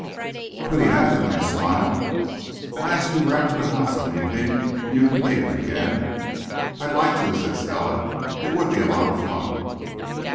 "But he has a nice smile." "I'll ask you round to the house some evening and you can meet him again." "I'd like to," said Stella. "It would be a lot of fun."